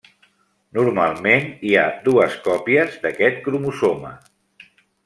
Normalment hi ha dues còpies d'aquest cromosoma.